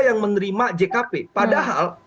yang menerima jkp padahal